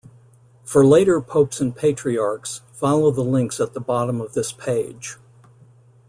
For later Popes and Patriarchs, follow the links at the bottom of this page.